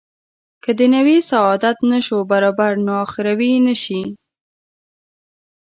که دنیوي سعادت نه شو برابر نو اخروي نه شي.